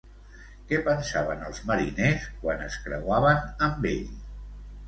Què pensaven els mariners quan es creuaven amb ell?